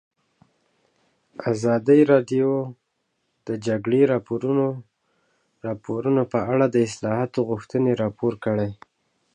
ازادي راډیو د د جګړې راپورونه په اړه د اصلاحاتو غوښتنې راپور کړې.